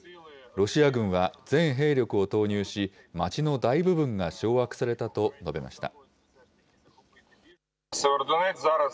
ロシア軍は全兵力を投入し、街の大部分が掌握されたと述べました。